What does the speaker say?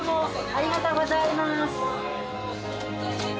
ありがとうございます。